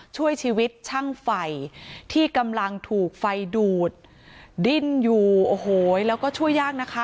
ช่วยชีวิตช่างไฟที่กำลังถูกไฟดูดดิ้นอยู่โอ้โหแล้วก็ช่วยยากนะคะ